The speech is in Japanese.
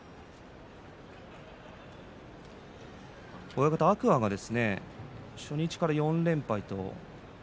親方、天空海が初日から４連敗です。